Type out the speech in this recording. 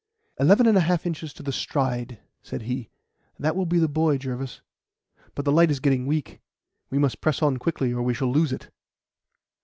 "Eleven and a half inches to the stride," said he. "That will be the boy, Jervis. But the light is getting weak. We must press on quickly, or we shall lose it."